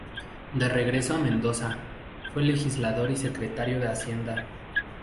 De regreso a Mendoza, fue legislador y secretario de hacienda.